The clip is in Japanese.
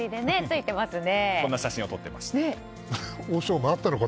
こんな写真を撮っていました。